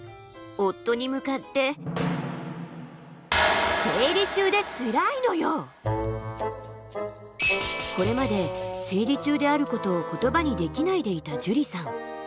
夫に向かってこれまで生理中であることを言葉にできないでいたじゅりさん。